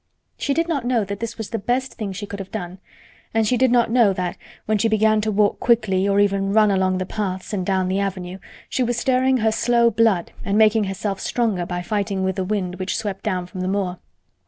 She did not know that this was the best thing she could have done, and she did not know that, when she began to walk quickly or even run along the paths and down the avenue, she was stirring her slow blood and making herself stronger by fighting with the wind which swept down from the moor.